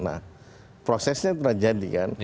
nah prosesnya telah jadikan